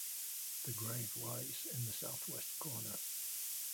The grave lies in the south-west corner.